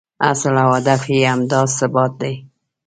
اصل او هدف یې همدا ثبات دی.